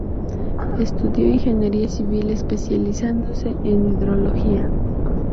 Estudió Ingeniería civil especializándose en hidrología.